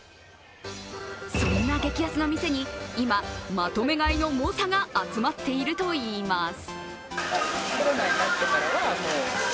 そんな激安の店に今、まとめ買いの猛者が集まっているといいます。